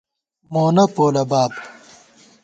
مونہ پولہ باب